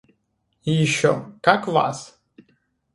И еще — как вас?!